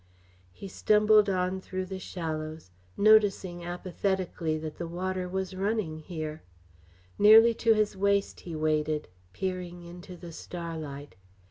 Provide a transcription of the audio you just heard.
He stumbled on through the shallows, noticing apathetically that the water was running here. Nearly to his waist he waded, peering into the starlight.